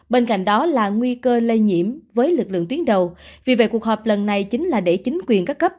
bên cạnh đó là nguy cơ lây nhiễm với lực lượng tuyến đầu vì vậy cuộc họp lần này chính là để chính quyền các cấp